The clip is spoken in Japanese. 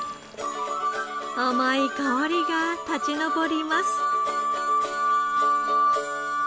甘い香りが立ち上ります。